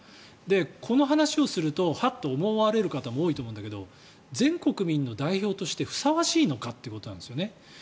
この話をするとはっと思われる方も多いと思うんですけど全国民の代表としてふさわしいのかってことなんですね。